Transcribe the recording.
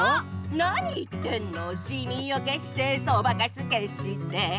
「何言ってんのしみをけしてそばかすけして」